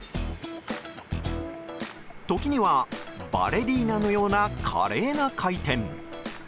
時には、バレリーナのような華麗な回転。